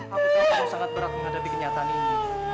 aku tahu sangat berat menghadapi kenyataan ini